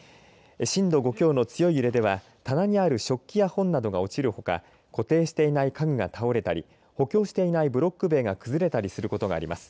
震度５強の強い揺れでは棚にある食器や本が落ちるほか固定していない家具が倒れたり補強していないブロック塀が崩れたりすることがあります。